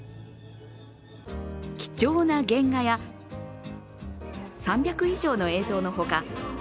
貴重な原画や３００以上の映像の他